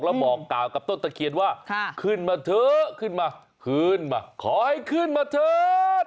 แล้วบอกกล่าวกับต้นตะเคียนว่าขึ้นมาเถอะขึ้นมาคืนมาขอให้ขึ้นมาเถิด